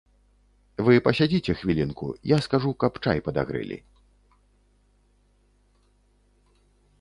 Вы пасядзіце хвілінку, я скажу, каб чай падагрэлі.